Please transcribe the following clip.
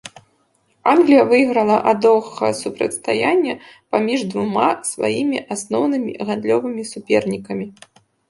Англія выйграла ад доўгага супрацьстаяння паміж двума сваімі асноўнымі гандлёвымі супернікамі.